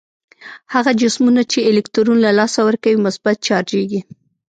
هغه جسمونه چې الکترون له لاسه ورکوي مثبت چارجیږي.